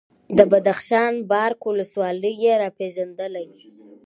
د بدخشان بارک ولسوالي یې راپېژندلې،